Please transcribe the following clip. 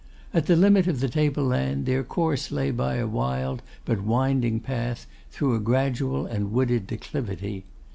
At the limit of the table land their course lay by a wild but winding path through a gradual and wooded declivity.